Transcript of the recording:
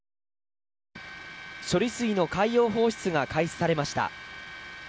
処理水の海洋放出が開始されました。